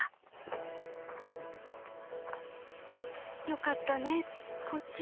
よかったねポチ。